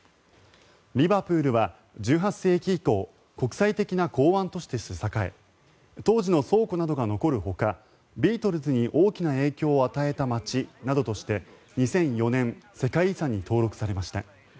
リバプールは１８世紀以降国際的な港湾都市として栄え当時の倉庫などが残るほかビートルズに大きな影響を与えた街などとして２００４年世界遺産に登録されました。